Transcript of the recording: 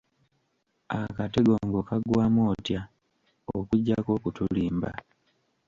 Akatego ng'okagwamu otya?,okugyako okutulimba.